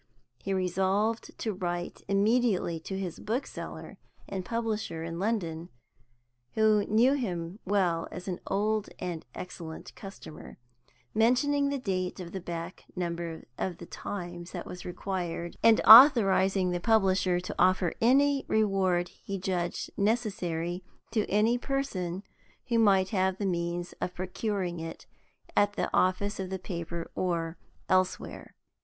He resolved to write immediately to his bookseller and publisher in London (who knew him well as an old and excellent customer), mentioning the date of the back number of the Times that was required, and authorizing the publisher to offer any reward he judged necessary to any person who might have the means of procuring it at the office of the paper or elsewhere.